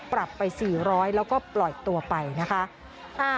ปรับไป๔๐๐แล้วก็ปล่อยตัวไปนะคะ